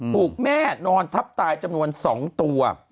ถูกแม่นอนทับตายจำนวน๒ตัว